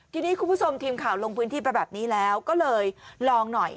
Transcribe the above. ทีนี้คุณผู้ชมทีมข่าวลงพื้นที่ไปแบบนี้แล้วก็เลยลองหน่อย